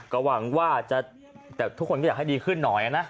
ก็หวังว่าจะแต่ทุกคนก็อยากให้ดีขึ้นหน่อยนะ